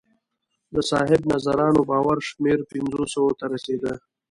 د صاحب نظرانو باور شمېر پنځو سوو ته رسېده